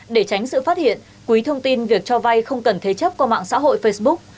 để tránh sự phát hiện quý thông tin việc cho vay không cần thế chấp qua mạng xã hội facebook